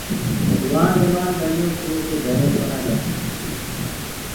جوآن جمآن ٻڙيونٚ ڪِرو ڪي گھري ڪونآ جآئينٚ۔